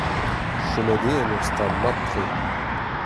Chomet eo en ur stad mat-tre.